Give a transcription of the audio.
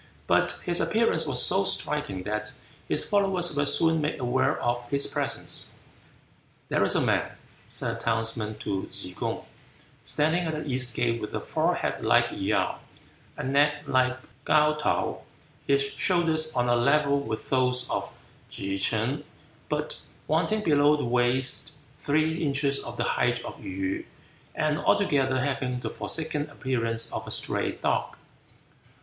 But his appearance was so striking that his followers were soon made aware of his presence. "There is a man," said a townsman to Tsze kung, "standing at the east gate with a forehead like Yaou, a neck like Kaou Yaou, his shoulders on a level with those of Tsze ch'an, but wanting below the waist three inches of the height of Yu, and altogether having the forsaken appearance of a stray dog."